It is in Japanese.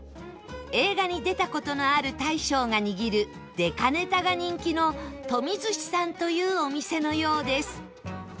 映画に出た事のある大将が握るでかネタが人気のトミ寿司さんというお店のようです